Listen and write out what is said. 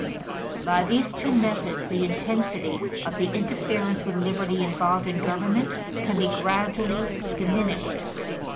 By these two methods, the intensity of the interference with liberty involved in government can be gradually diminished.